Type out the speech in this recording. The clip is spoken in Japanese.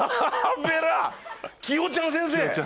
キヨちゃん先生！